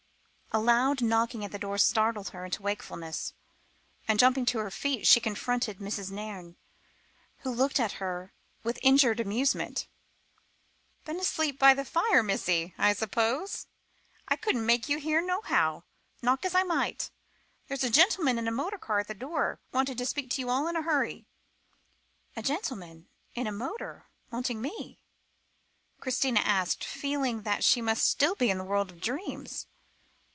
A loud knocking at the door startled her into wakefulness, and jumping to her feet, she confronted Mrs. Nairne, who looked at her with injured amusement. "Been asleep by the fire, missy, I suppose. I couldn't make you hear nohow, knock as I might. There's a gentleman in a motor car at the door, wanting to speak to you all in a hurry." "A gentleman in a motor wanting me?" Christina asked, feeling that she must still be in the world of dreams.